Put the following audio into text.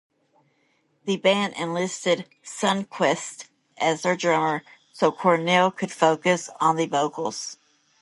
The band enlisted Sundquist as their drummer so Cornell could focus on the vocals.